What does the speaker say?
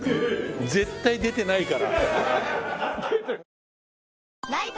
絶対出てないから。